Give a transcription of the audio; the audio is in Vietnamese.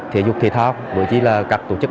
thể dục thể thao đối chi là các tổ chức